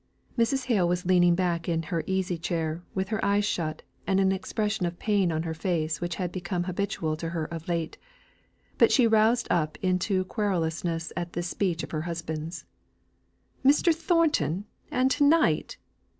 Mrs. Hale was leaning back in her easy chair, with her eyes shut, and an expression of pain on her face which had become habitual to her of late. But she roused up into querulousness at this speech of her husband's. "Mr. Thornton! and to night!